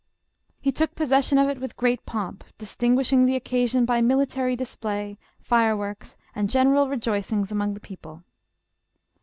He took possession of it with great pomp, distinguishing the oc casion by military display, fireworks and general" re joicings among the people.